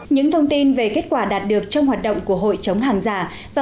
những thông tin về kết quả đạt được trong hoạt động của hội chống hàng giả